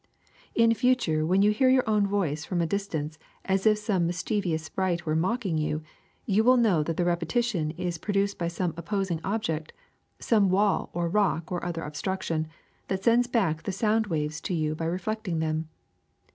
^' In future when you hear your own voice from a distance as if some mischievous sprite were mocking you, you will know that the repetition is produced by some opposing object, some wall or rock or other obstruction, that sends back the sound waves to you by reflecting them.